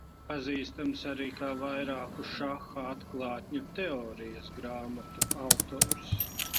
Pazīstams arī kā vairāku šaha atklātņu teorijas grāmatu autors.